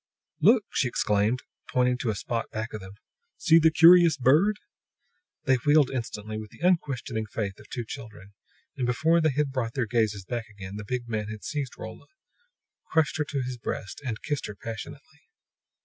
"Look!" she exclaimed, pointing to a spot back of them. "See the curious bird!" They wheeled instantly, with the unquestioning faith of two children; and before they had brought their gazes back again, the big man had seized Rolla, crushed her to his breast and kissed her passionately.